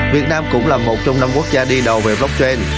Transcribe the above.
việt nam cũng là một trong năm quốc gia đi đầu về blockchain